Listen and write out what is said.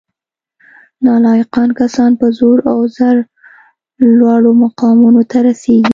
نالایق کسان په زور او زر لوړو مقامونو ته رسیږي